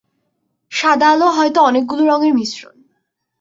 সাদা আলো হয়তো অনেকগুলো রঙের মিশ্রণ।